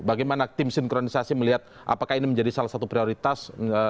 bagaimana tim sinkronisasi melihat apakah ini menjadi salah satu prioritas